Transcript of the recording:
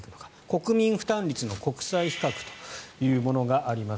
国民負担率の国際比較というものがあります。